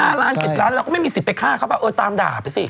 ๕ล้าน๗ล้านเราก็ไม่มีสิทธิ์ไปฆ่าเขาแบบเออตามด่าไปสิ